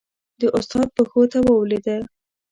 د استاد پښو ته ولوېده.